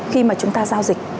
khi mà chúng ta giao dịch